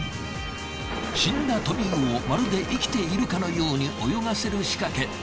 死んだトビウオをまるで生きているかのように泳がせる仕掛け。